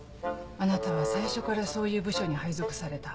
あなたは最初からそういう部署に配属された。